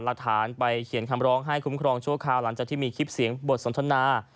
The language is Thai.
หลักฐานไปเขียนคำร้องให้คุ้มครองชั่วคราวหลังจากที่มีคลิปเสียงบทสนทนา